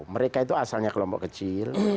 mereka itu asalnya kelompok kecil